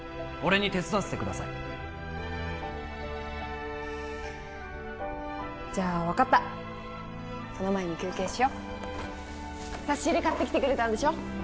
俺に手伝わせてくださいじゃあ分かったその前に休憩しよっ差し入れ買ってきてくれたんでしょ？